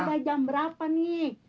sudah jam berapa nih